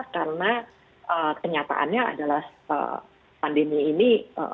karena kenyataannya adalah pandemi ini